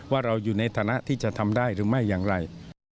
ว่าเราอยู่ในฐานะที่จะทำได้หรือไม่อย่างไร